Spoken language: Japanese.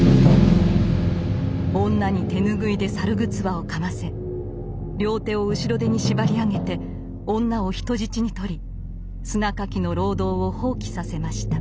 女に手拭いで猿ぐつわをかませ両手を後ろ手に縛り上げて女を人質にとり砂掻きの労働を放棄させました。